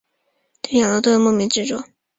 对养乐多有莫名的执着。